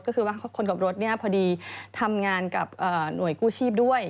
ก็คือว่าคนขับรถเนี่ยพอดีทำงานกับหน่วยกู้ชีพด้วย